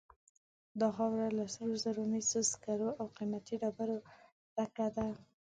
دا خاوره له سرو زرو، مسو، سکرو او قیمتي ډبرو ډکه ده.